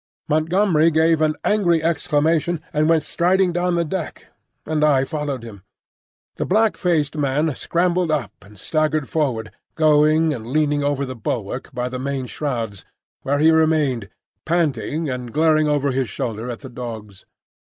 Montgomery gave an angry exclamation, and went striding down the deck, and I followed him. The black faced man scrambled up and staggered forward, going and leaning over the bulwark by the main shrouds, where he remained, panting and glaring over his shoulder at the dogs.